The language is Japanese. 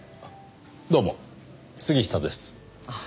どうも杉下です。